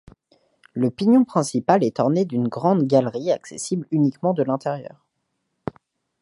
Le pignon principal est orné d’une grande galerie, accessible uniquement de l’intérieur.